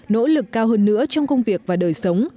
nỗ lực cao hơn nữa trong công việc và đời sống